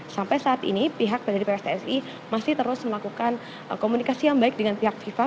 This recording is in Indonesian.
sampai saat ini pihak dari pssi masih terus melakukan komunikasi yang baik dengan pihak fifa